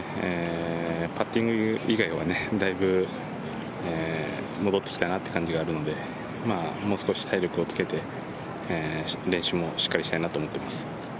パッティング以外はだいぶ戻ってきたなという感じがあるので、もう少し体力をつけて、練習もしっかりしたいなと思っています。